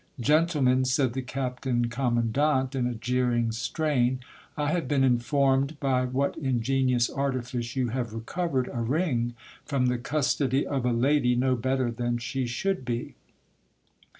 Gentlemen, said the captain commandant in a jeering strain, I have been informed by what ingenious artifice you have recovered a ring from the custody of a lady no better than she should be.